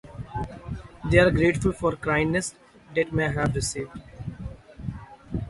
They are grateful for kindnesses that they may have received.